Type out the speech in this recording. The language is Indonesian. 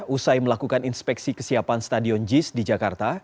usai melakukan inspeksi kesiapan stadion jis di jakarta